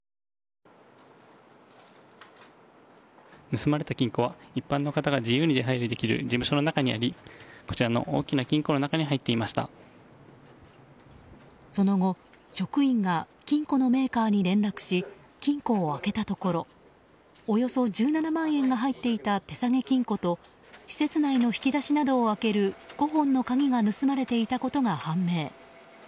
盗まれた金庫は一般の方が自由に出入りできる事務所の中にありこちらの大きな金庫の中にその後、職員が金庫のメーカーに連絡し金庫を開けたところおよそ１７万円が入っていた手提げ金庫と施設内の引き出しなどを開ける５本の鍵が盗まれていたことが判明。